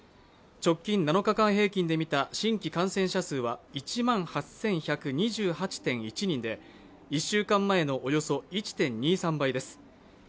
直近７日間平均でみた新規感染者は１万８１２８．１人で、１週間前のおよそ１．２３倍です。